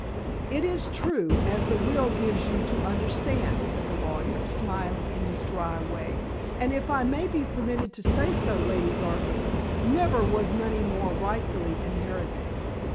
"It is true, as the will gives you to understand," said the lawyer, smiling in his dry way, "and if I may be permitted to say so, Lady Garvington, never was money more rightfully inherited.